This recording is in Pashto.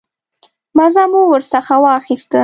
مزه مو ورڅخه واخیسته.